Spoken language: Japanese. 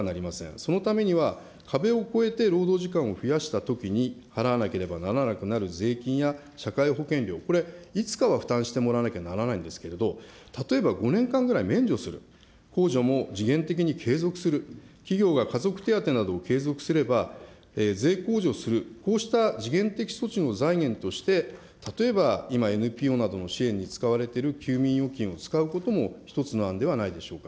そのためには壁をこえて労働時間を増やしたときに払わなければならなくなる税金や社会保険料、これ、いつかは負担してもらわなきゃならないんですけど、例えば、５年間くらい免除する、控除も時限的に継続する、企業が家族手当などを継続すれば税控除する、こうした時限的措置の財源として、例えば、今ＮＰＯなどの支援に使われてる休眠預金を使うことも一つの案ではないでしょうか。